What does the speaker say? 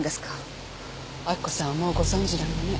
明子さんはもうご存じなのね。